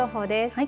はい。